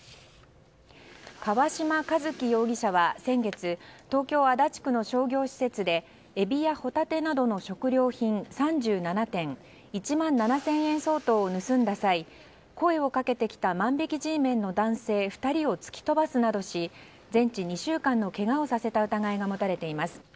川嶋一輝容疑者は先月東京・足立区の商業施設でエビやホタテなどの食料品３７点１万７０００円相当を盗んだ際、声をかけてきた万引きＧメンの男性２人を突き飛ばすなどし全治２週間のけがをさせた疑いが持たれています。